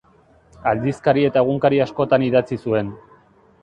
Aldizkari eta egunkari askotan idatzi zuen.